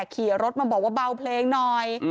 ขี่รถมาบอกว่าเบาเพลงหน่อย